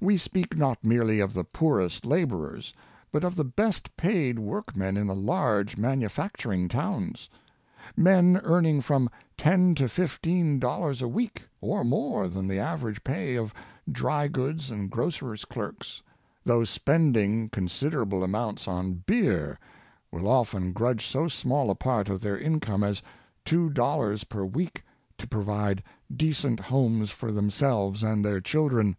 We speak not merely of the poorest laborers, but of the best paid workmen in the large manufacturing towns. Men earning from ten to fifteen dollars a week — or more than the average pay of dry goods and gro cers^ clerks — though spending considerable amounts on beer, will often grudge so small a part of their income as two dollars per week to provide decent homes for themselves and their children.